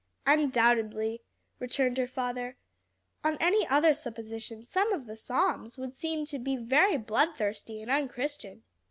"Undoubtedly," returned her father. "On any other supposition some of the psalms would seem to be very bloodthirsty and unchristian."